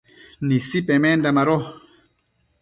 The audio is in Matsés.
Nisi pemenda mado